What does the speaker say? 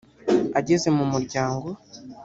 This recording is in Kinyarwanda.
Ageze mu muryango